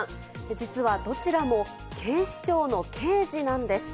実はどちらも警視庁の刑事なんです。